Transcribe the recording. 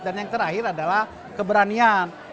dan yang terakhir adalah keberanian